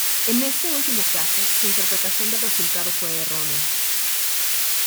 En este último caso, su interpretación del resultado fue errónea.